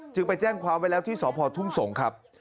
จึงไปแจ้งความไว้แล้วที่สอบพ่อทุ่มส่งครับ